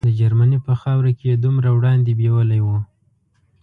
د جرمني په خاوره کې یې دومره وړاندې بیولي وو.